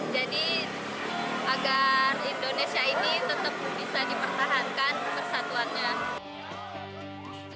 jadi agar indonesia ini tetap bisa dipertahankan bersatuannya